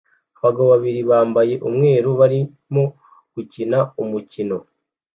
Abagabo babiri bambaye umweru barimo gukina umukino